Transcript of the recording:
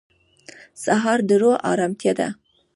سهار د روح ارامتیا ده.